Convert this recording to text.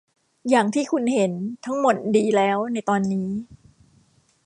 อย่างที่คุณเห็น ทั้งหมดดีแล้วในตอนนี้